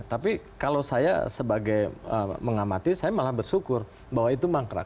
tapi kalau saya sebagai mengamati saya malah bersyukur bahwa itu mangkrak